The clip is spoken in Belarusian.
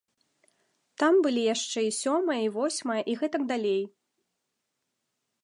Там былі яшчэ і сёмае, і восьмае, і гэтак далей.